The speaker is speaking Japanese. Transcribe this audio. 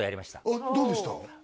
あっどうでした？